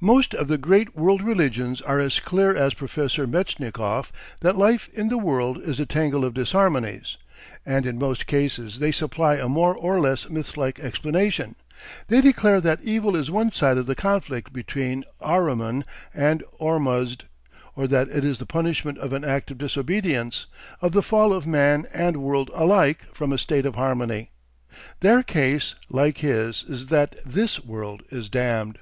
Most of the great world religions are as clear as Professor Metchnikoff that life in the world is a tangle of disharmonies, and in most cases they supply a more or less myth like explanation, they declare that evil is one side of the conflict between Ahriman and Ormazd, or that it is the punishment of an act of disobedience, of the fall of man and world alike from a state of harmony. Their case, like his, is that THIS world is damned.